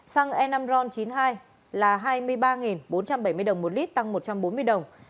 xăng e năm ron chín mươi hai là hai mươi ba bốn trăm bảy mươi đồng một lít tăng một trăm bốn mươi đồng